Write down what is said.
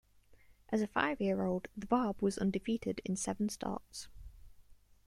As a five-year-old The Barb was undefeated in seven starts.